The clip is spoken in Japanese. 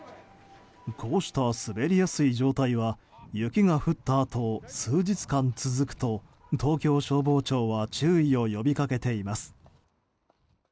こうした滑りやすい状態は雪が降ったあと数日間続くと東京消防庁は注意を呼びかけています。